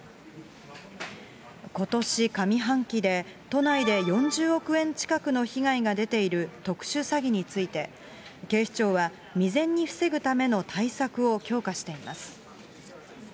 ことし上半期で、都内で４０億円近くの被害が出ている特殊詐欺について、警視庁は、未然に防ぐための対策を強化しています。